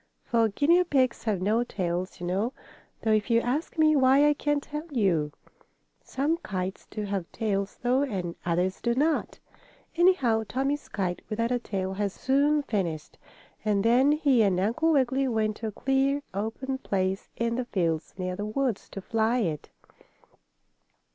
For guinea pigs have no tails, you know, though if you ask me why I can't tell you. Some kites do have tails, though, and others do not. Anyhow, Tommie's kite, without a tail, was soon finished, and then he and Uncle Wiggily went to a clear, open place in the fields, near the woods, to fly it.